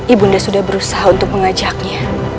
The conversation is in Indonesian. ibunda sudah berusaha untuk mengajaknya